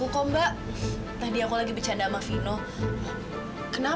kamu bisa ketemu kan